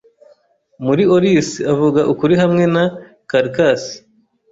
Muri Aulis avuga ukuri hamwe na Kalchas